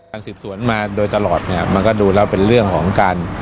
สืบสวนมาโดยตลอดเนี่ยมันก็ดูแล้วเป็นเรื่องของการ